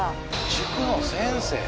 「塾の先生？